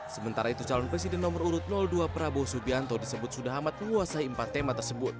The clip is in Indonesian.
sementara itu calon presiden nomor urut dua prabowo subianto disebut sudah amat menguasai empat tema tersebut